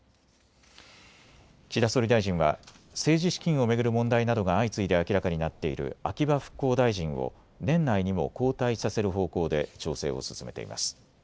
岸田総理大臣は政治資金を巡る問題などが相次いで明らかになっている秋葉復興大臣を年内にも交代させる方向で調整を進めています。